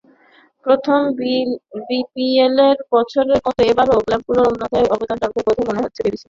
প্রথম বিপিএলের বছরের মতো এবারও ক্লাবগুলোর অন্যায় আবদার মানতে বাধ্য হচ্ছে বিসিবি।